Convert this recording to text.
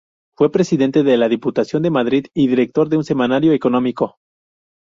Fue presidente de la Diputación de Madrid y director de un semanario económico.